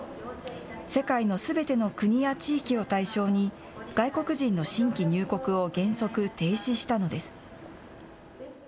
世界のすべての国や地域を対象に外国人の新規入国を原則、停止したのです。